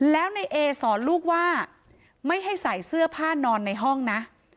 แล้วในเอสอนลูกว่าไม่ให้ใส่เสื้อผ้านอนในห้องนะ